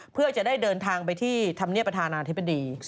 เพื่อจะได้เดินทางไปที่ธรรมเนียบประธานาธิบดี